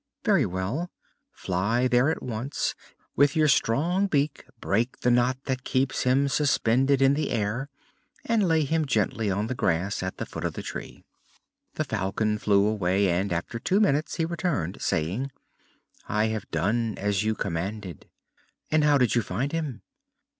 "Very well. Fly there at once: with your strong beak break the knot that keeps him suspended in the air, and lay him gently on the grass at the foot of the tree." The Falcon flew away and after two minutes he returned, saying: "I have done as you commanded." "And how did you find him?"